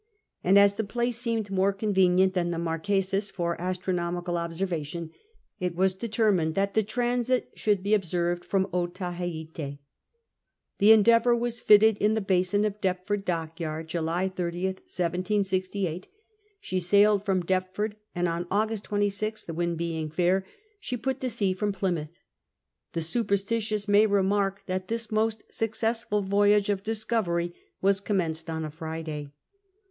And as the place seemed more convenient than the Marquesas for astronomical observation, it was determined that the transit should be observed from Otaheite. The Endeavour was fitted in the basin of Deptford dockyard July 30th, 1768. She sailed from Deptford, and on August 26th, the wind being fair, she put to sea from Plymouth. The superstitious may remark that this most successful voyage of discovery was commenced on a Friday.